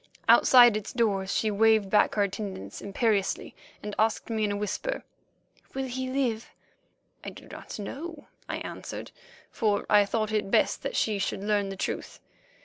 Outside its doors she waved back her attendants imperiously and asked me in a whisper: "Will he live?" "I do not know," I answered, for I thought it best that she should learn the truth.